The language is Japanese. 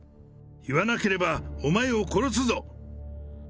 言わなければお前を殺すぞ！